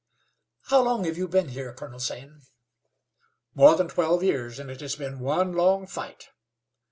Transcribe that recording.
"How long have you been here, Colonel Zane?" "More than twelve years, and it has been one long fight."